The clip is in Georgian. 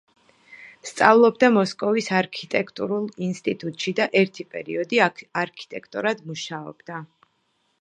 სწავლობდა მოსკოვის არქიტექტურულ ინსტიტუტში და ერთი პერიოდი არქიტექტორად მუშაობდა.